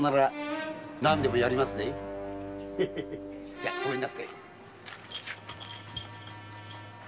じゃごめんなすって。